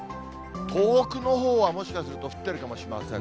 遠くのほうはもしかすると、降ってるかもしれません。